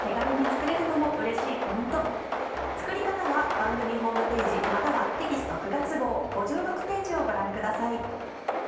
作り方は番組ホームページまたはテキスト９月号５６ページをご覧ください。